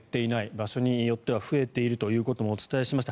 場所によっては増えているということもお伝えしました。